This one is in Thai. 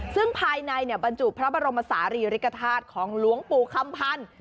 ซึ่งภายในบรรจุพระบรมศาลีริกฐาตุของหลวงปู่คำพันธ์